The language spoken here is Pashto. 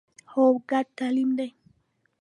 هو، ګډ تعلیم دی